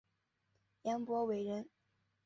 颜伯玮人。